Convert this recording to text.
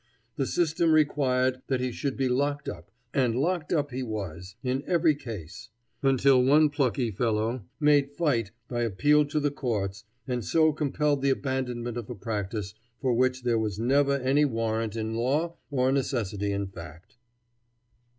The system required that he should be locked up, and locked up he was, in every case, until one plucky fellow made fight by appeal to the courts, and so compelled the abandonment of a practice for which there was never any warrant in law or necessity in fact.